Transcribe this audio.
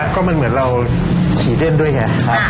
ก็มันเหมือนเราขี่เต้นด้วยไงครับ